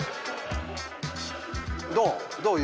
どう？